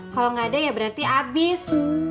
kalau gak ada ya berarti abis